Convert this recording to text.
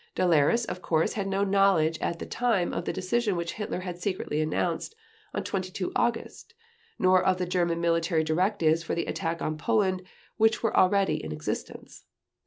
Dahlerus, of course, had no knowledge at the time of the decision which Hitler had secretly announced on 22 August, nor of the German military directives for the attack on Poland which were already in existence.